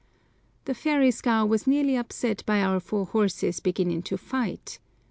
The ferry scow was nearly upset by our four horses beginning to fight.